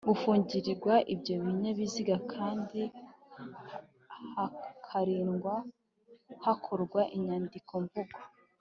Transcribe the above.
gufungirwa ibyo binyabiziga kandi hakarindwa Hakorwa inyandiko-mvugo